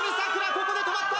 ここで止まった！